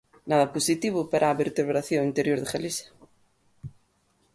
Nada positivo para a vertebración interior de Galiza.